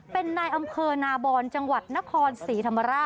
เป็นนายอำเภอนาบอนจังหวัดนครศรีธรรมราช